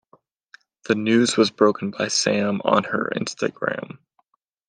This news was broken by Sam on her Instagram.